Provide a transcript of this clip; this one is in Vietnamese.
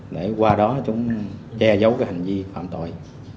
để qua đó chúng che giấu cái hành vi phạm tội